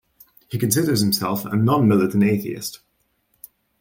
He considers himself a "non-militant atheist".